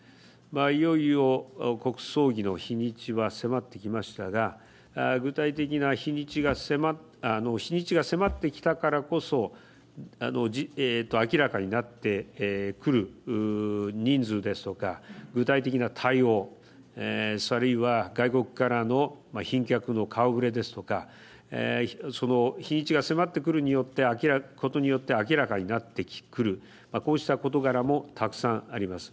いよいよ国葬儀の日にちは迫ってきましたが具体的な日にちが迫ってきたからこそ明らかになってくる人数ですとか具体的な対応あるいは外国からの賓客の顔ぶれですとかその日にちが迫ってくることによって明らかになってくるこうした事柄もたくさんあります。